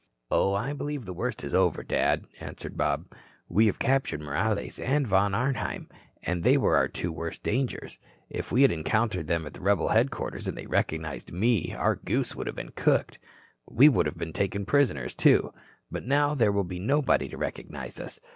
"Oh, I believe the worst is over, Dad," answered Bob. "We have captured Morales and Von Arnheim, and they were our two worst dangers. If we had encountered them at rebel headquarters and they had recognized me, our goose would have been cooked. We would have been taken prisoners, too. But now there will be nobody to recognize us.